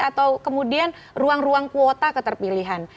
atau kemudian ruang ruang kuota keterpilihan